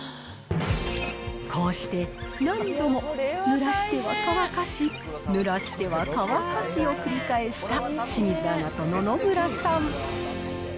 こうして何度もぬらしては乾かし、濡らしては乾かしを繰り返した清水アナと野々村さん。